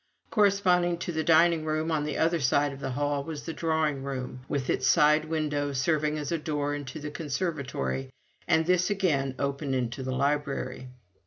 Corresponding to the dining room on the other side of the hall was the drawing room, with its side window serving as a door into a conservatory, and this again opened into the library.